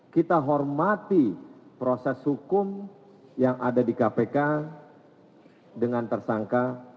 kita hormati proses hukum yang ada di kpk dengan tersangka pak saharul yasin limpu